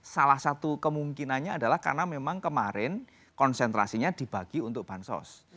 salah satu kemungkinannya adalah karena memang kemarin konsentrasinya dibagi untuk bansos